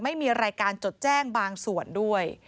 ไม่มีรายการจดแจ้งบางส่วนด้วย